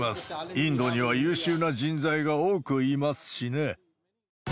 インドには優秀な人材が多くいますしね。